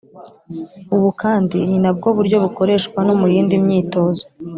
Ubu kandi ni nabwo buryo bukoreshwa no mu yindi myitozo